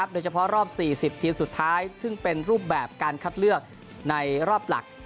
โดยเฉพาะรอบ๔๐ทีมสุดท้ายซึ่งเป็นรูปแบบการคัดเลือกในรอบหลัก